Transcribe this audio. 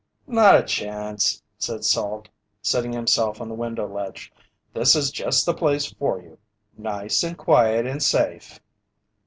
"Not a chance," said Salt, seating himself on the window ledge. "This is just the place for you nice and quiet and safe."